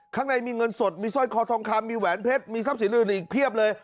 ข้างในมีเงินสดมีสร้อยคอทองคำมีแหวนเพชรมีทรัพย์สินอื่นอีกเพียบเลย